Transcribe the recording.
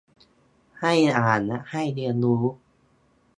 ให้อ่านให้เรียนรู้